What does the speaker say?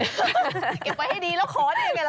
เก็บไว้ให้ดีแล้วขอดีกัน